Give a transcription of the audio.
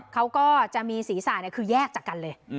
เขาก็จะมีศีรษะคือแยกจากกันเลย